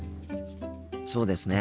そうですね。